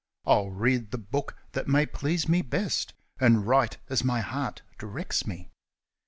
I'll read the book that may please me best, And write as my heart directs me